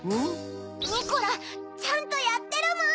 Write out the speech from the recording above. ニコラちゃんとやってるもん！